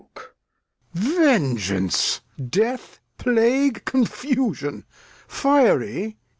Lear. Vengeance, Death, Plague, Confusion; Fiery!